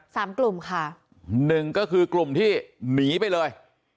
สามกลุ่มค่ะหนึ่งก็คือกลุ่มที่หนีไปเลย